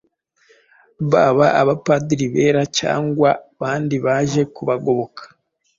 baba abapadiri bera cyangwa bandi baje kubagoboka